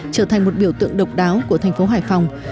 trở thành một biểu tượng độc đáo của thành phố hải phòng